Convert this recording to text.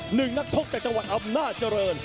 หนึ่งนักชกจากจังหวัดอำนาจเจริญ